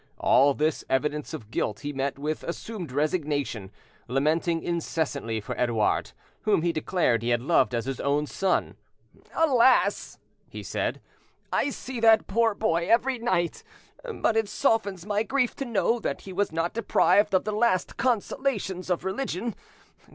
All this evidence of guilt he met with assumed resignation, lamenting incessantly for Edouard, whom he declared he had loved as his own son. "Alas!" he said, "I see that poor boy every night! But it softens my grief to know that he was not deprived of the last consolations of religion!